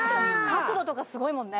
角度とかすごいもんね。